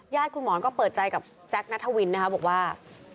คุณหมอนก็เปิดใจกับแจ๊คนัทวินนะคะบอกว่า